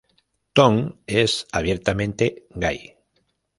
Tom es abiertamente gay.